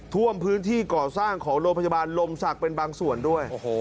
ท่วมพื้นที่ก่อสร้างของโรงพยาบาลลมศักดิ์เป็นบางส่วนด้วย